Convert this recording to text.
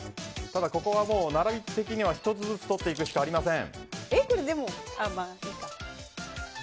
ここは並び的には１つずつ取っていくしかありません。